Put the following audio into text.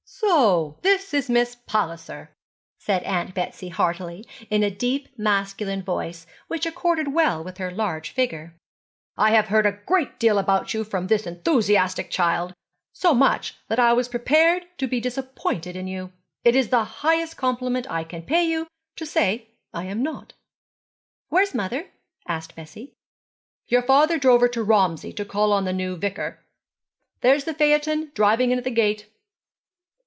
'So this is Miss Palliser,' said Aunt Betsy heartily, and in a deep masculine voice, which accorded well with her large figure. 'I have heard a great deal about you from this enthusiastic child, so much that I was prepared to be disappointed in you. It is the highest compliment I can pay you to say I am not.' 'Where's mother?' asked Bessie. 'Your father drove her to Romsey to call on the new vicar. There's the phaeton driving in at the gate.'